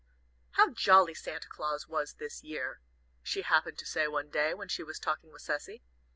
"How jolly Santa Claus was this year!" She happened to say one day, when she was talking with Cecy.